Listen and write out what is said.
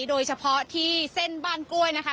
โดยเฉพาะที่เส้นบ้านกล้วยนะคะ